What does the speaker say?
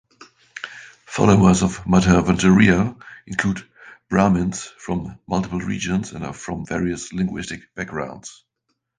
Followers of Madhvacharya include Brahmins from multiple regions and are from various linguistic backgrounds.